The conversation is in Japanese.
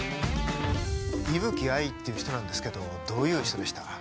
伊吹藍っていう人なんですけどどういう人でした？